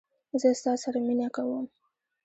زه ستا سره مینه کوم